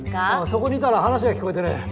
そこにいたら話が聞こえてね。